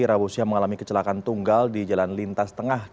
rauh siam mengalami kecelakaan tunggal di jalan lintas tengah